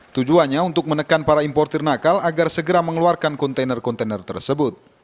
tujuannya untuk menekan para importer nakal agar segera mengeluarkan kontainer kontainer tersebut